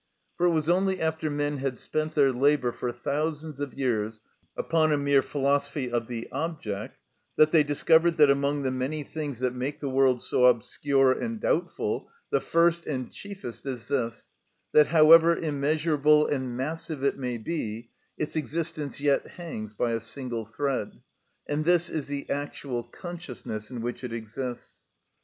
For it was only after men had spent their labour for thousands of years upon a mere philosophy of the object that they discovered that among the many things that make the world so obscure and doubtful the first and chiefest is this, that however immeasurable and massive it may be, its existence yet hangs by a single thread; and this is the actual consciousness in which it exists.